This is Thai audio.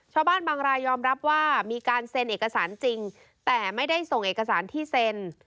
ชาวบ้านบางรายยอมรับว่ามีการเซ็นเอกสารจริงแต่ไม่ได้ส่งเอกสารที่เซ็น